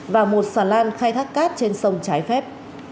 và một xà lan khai thác cát trên sông trái phép